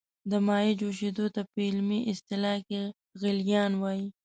د مایع جوشیدو ته په علمي اصطلاح کې غلیان وايي.